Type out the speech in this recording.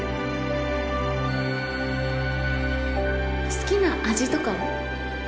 好きな味とかは？